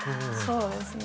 そうですね。